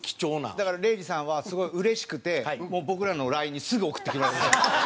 だから礼二さんはすごいうれしくて僕らのＬＩＮＥにすぐ送ってきます。